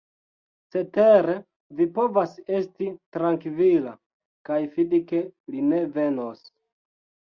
Cetere vi povas esti trankvila, kaj fidi ke li ne venos.